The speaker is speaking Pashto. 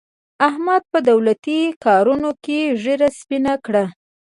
احمد په دولتي کارونو کې ږېره سپینه کړه.